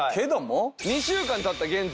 ２週間たった現在。